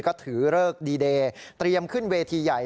ก็ถือเลิกดีเดย์เตรียมขึ้นเวทีใหญ่